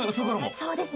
そうですね